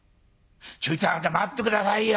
「ちょいとあなた待って下さいよ。